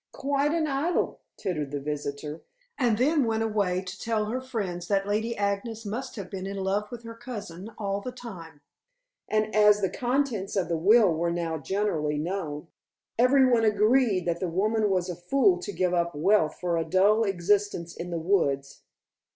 "Quite an idyl," tittered the visitor, and then went away to tell her friends that Lady Agnes must have been in love with her cousin all the time. And as the contents of the will were now generally known, every one agreed that the woman was a fool to give up wealth for a dull existence in the woods.